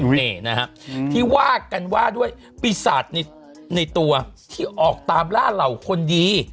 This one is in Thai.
นี่นะฮะที่ว่ากันว่าด้วยปีศาจในตัวที่ออกตามล่าเหล่าคนดี